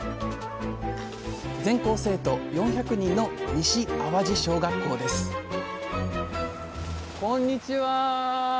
全校生徒４００人の西淡路小学校ですこんにちは。